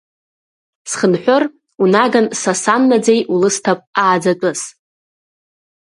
Схынҳәыр, унаган са саннаӡеи Улысҭап ааӡатәыс.